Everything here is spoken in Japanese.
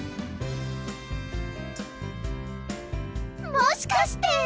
もしかして！